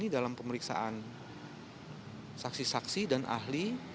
dalam pemeriksaan saksi saksi dan ahli